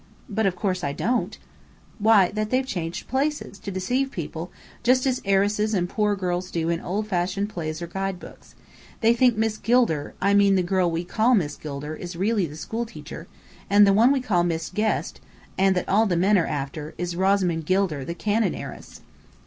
"But of course I don't." "Why, that they've changed places, to deceive people, just as heiresses and poor girls do in old fashioned plays or books. They think Miss Gilder (I mean the girl we call Miss Gilder) is really the school teacher, and the one we call Miss Guest, and that all the men are after, is Rosamond Gilder the cannon heiress."